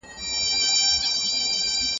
دا هغه عقايد دي چي په اروپا کي يې اهميت وموند.